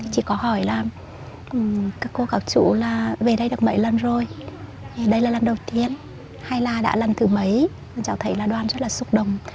chị có hỏi là các cô các chú là về đây được mấy lần rồi đây là lần đầu tiên hay là đã lần thứ mấy cháu thấy là đoàn rất là xúc động